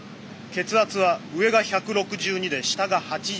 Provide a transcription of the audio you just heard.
血圧は上が１６２で下が８０。